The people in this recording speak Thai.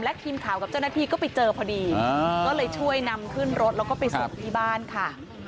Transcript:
ทีมข่าวกับเจ้าหน้าที่ก็ไปเจอพอดีก็เลยช่วยนำขึ้นรถแล้วก็ไปส่งที่บ้านค่ะ